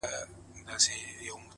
هوډ د ناامیدۍ ځواک کموي!